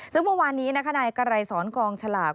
ซึ่งบางวันนี้นายกรายศรกองฉลาก